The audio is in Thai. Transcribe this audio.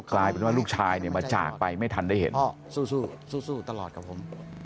กลายเป็นว่าลูกชายมาจากไปไม่ทันได้เห็น